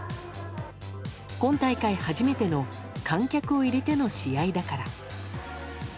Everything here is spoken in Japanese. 今大会初めての観客を入れての試合だから。